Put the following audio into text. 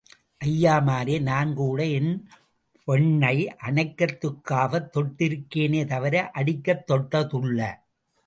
அய்யாமாரே... நான் கூட என் பொண்ண அணைக்கதுக்காவ தொட்டிருக்கேனே தவிர அடிக்கத் தொட்டதுல்ல.